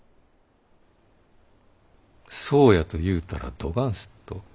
そうやと言うたらどがんすっと？